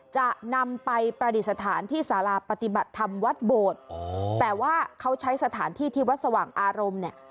จะนำไปประดิษฐานที่สาราปฏิบัติธรรมวัดโบสถ์แต่ว่าเขาใช้สถานที่ที่วัดสว่างอารมณ์เนี่ย